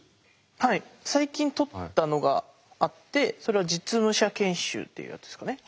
はい最近取ったのがあってそれは実務者研修っていうやつですかね。